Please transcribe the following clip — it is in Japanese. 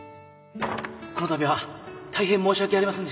このたびは大変申し訳ありませんでした